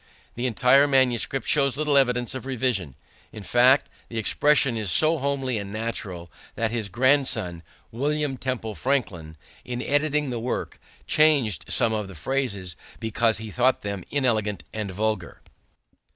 The entire manuscript shows little evidence of revision. In fact, the expression is so homely and natural that his grandson, William Temple Franklin, in editing the work changed some of the phrases because he thought them inelegant and vulgar.